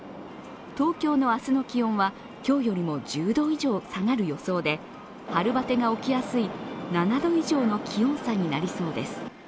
東京の明日の気温は今日よりも１０度以上下がる予想で春バテが起きやすい７度以上の気温差になりそうです。